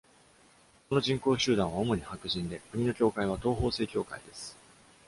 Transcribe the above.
その人口集団は主に白人で、国の教会は東方正教会です。